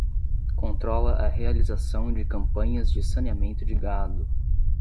Controla a realização de campanhas de saneamento de gado.